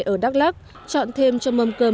ở đắk lắc chọn thêm cho mâm cơm